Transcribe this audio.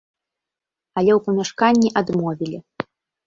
Але ў памяшканні адмовілі.